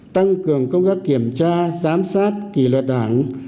tăng cường công tác kiểm tra giám sát kỳ luật đảng